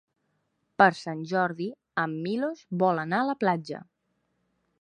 Per Sant Jordi en Milos vol anar a la platja.